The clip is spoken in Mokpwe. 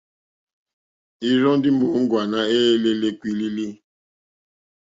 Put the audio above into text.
Ìrzɔ́ ndí móŋɡòáná éělélé kpílílílí.